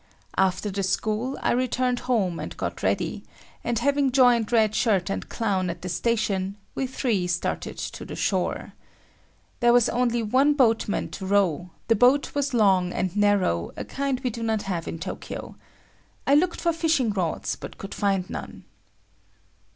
After the school, I returned home and got ready, and having joined Red Shirt and Clown at the station, we three started to the shore. There was only one boatman to row; the boat was long and narrow, a kind we do not have in Tokyo. I looked for fishing rods but could find none.